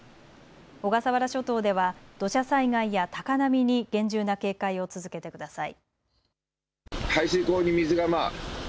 小笠原諸島では土砂災害や高波に厳重な警戒を続けてください。